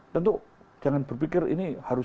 tentu jangan berpikir ini harus